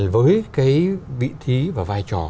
với vị thí và vai trò